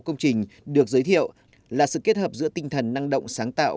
một mươi sáu công trình được giới thiệu là sự kết hợp giữa tinh thần năng động sáng tạo